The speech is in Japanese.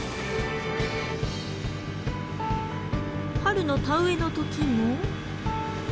春の田植えのときも。